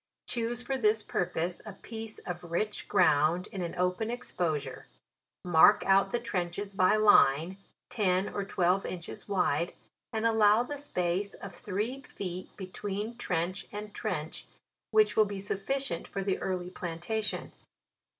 " Choose for this purpose a piece of rich ground, in an open exposure ; mark out the trenches by line, ten or twelve inches wide, and allow the space of three feet between trench and trench, which will be sufficient for the early plantation.